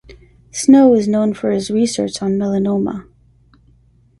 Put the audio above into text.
Snow is known for his research on melanoma.